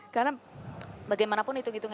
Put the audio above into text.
karena bagaimanapun itu gitu menurut anda